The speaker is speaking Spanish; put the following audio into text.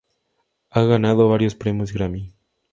Ha ganado varios premios Grammy.